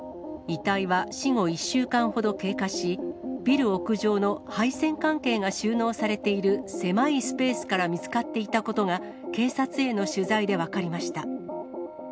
遺体は死後１週間ほど経過し、ビル屋上の配線関係が収納されている狭いスペースから見つかっていたことが、警察への取材で分かりました。